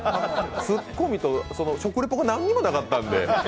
ツッコミと食レポが何もなかったんで。